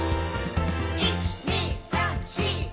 「１．２．３．４．５．」